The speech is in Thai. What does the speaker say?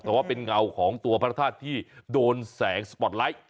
แต่ว่าเป็นเงาของตัวพระธาตุที่โดนแสงสปอร์ตไลท์